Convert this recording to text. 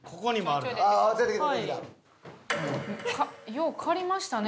よう借りましたね